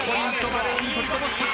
バルーン取りこぼした。